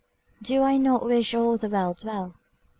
"Do I not wish all the world well?"